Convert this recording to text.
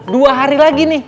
dua hari lagi nih